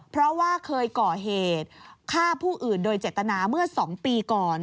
เพราะว่าเคยก่อเหตุฆ่าผู้อื่นโดยเจตนาเมื่อ๒ปีก่อน